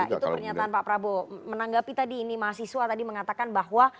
itu pernyataan pak prabowo menanggapi tadi ini mahasiswa tadi mengatakan bahwa